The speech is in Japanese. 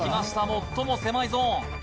最も狭いゾーン